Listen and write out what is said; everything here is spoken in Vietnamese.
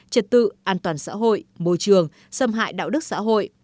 trật tự an toàn xã hội môi trường xâm hại đạo đức xã hội